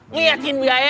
ngeyakin dia ya